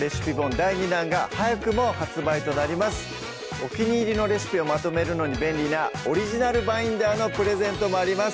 お気に入りのレシピをまとめるのに便利なオリジナルバインダーのプレゼントもあります